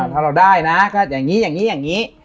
ถ้าเราได้นะก็อย่างนี้อย่างนี้อย่างนี้